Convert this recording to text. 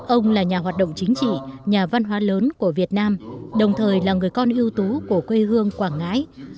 ông là nhà hoạt động chính trị nhà văn hóa lớn của việt nam đồng thời là người con ưu tú của quê hương quảng ngãi